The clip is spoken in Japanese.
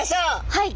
はい！